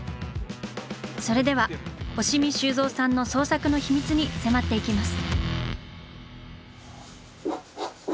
それでは押見修造さんの創作の秘密に迫っていきます。